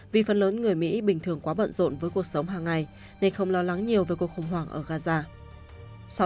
vì phần lớn người mỹ bình thường quá bận rộn với cuộc sống hàng ngày nên không lo lắng nhiều về cuộc khủng hoảng ở gaza